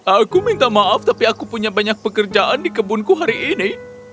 aku minta maaf tapi aku punya banyak pekerjaan di kebunku hari ini